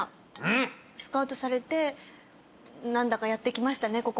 スカウトされて何だかやってきましたね